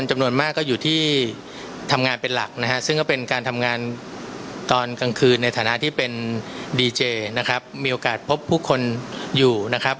มัธการกลางคืนในฐานะที่เป็นดีเจนะครับมีโอกาสพบพวกคนอยู่นะครับ